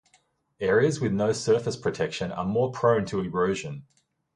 Areas with no surface protection are more prone to erosion.